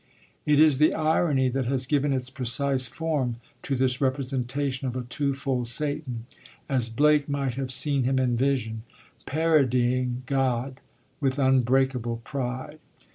It is the irony that has given its precise form to this representation of a twofold Satan, as Blake might have seen him in vision, parodying God with unbreakable pride.